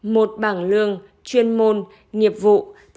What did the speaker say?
một bảng lương chuyên môn nghiệp vụ